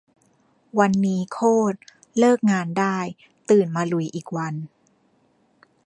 วันนี้ โคตร เลิกงานได้ ตื่นมาลุยอีกวัน